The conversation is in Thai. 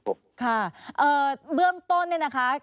ค่ะเบื้องต้นเนี่ยนะคะ